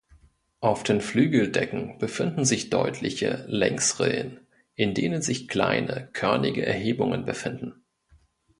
Auf den Flügeldecken befinden sich deutliche Längsrillen, in denen sich kleine „körnige“ Erhebungen befinden.